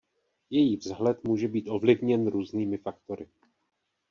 Její vzhled může být ovlivněn různými faktory.